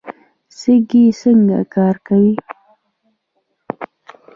سږي څنګه کار کوي؟